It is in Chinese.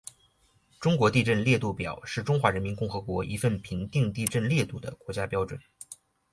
中国地震烈度表是中华人民共和国一份评定地震烈度的国家标准。